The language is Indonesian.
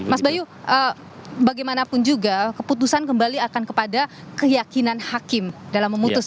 mas bayu bagaimanapun juga keputusan kembali akan kepada keyakinan hakim dalam memutus